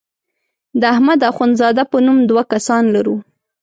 د احمد اخوند زاده په نوم دوه کسان لرو.